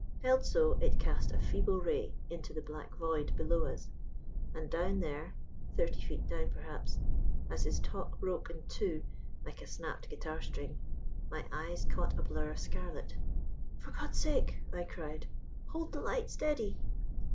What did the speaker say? Held so, it cast a feeble ray into the black void below us: and down there thirty feet down perhaps as his talk broke in two like a snapped guitar string, my eyes caught a blur of scarlet. "For God's sake," I cried, "hold the light steady!"